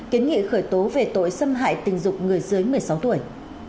kiến nghị khởi tố về tội xâm hại tình dục người dưới một mươi sáu tuổi